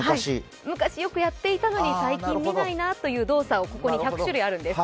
昔よくやっていたのに、最近見ないなという動作がここに１００種類あるんです。